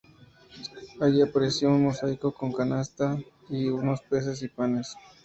Allí apareció un mosaico con una canasta y unos peces y panes.